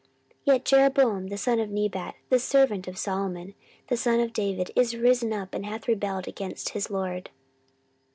14:013:006 Yet Jeroboam the son of Nebat, the servant of Solomon the son of David, is risen up, and hath rebelled against his lord.